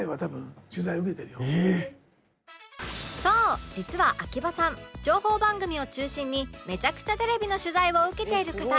そう実は秋葉さん情報番組を中心にめちゃくちゃテレビの取材を受けている方